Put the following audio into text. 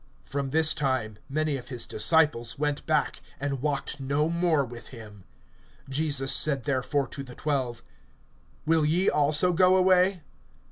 (66)From this time many of his disciples went back, and walked no more with him. (67)Jesus said therefore to the twelve: Will ye also go away?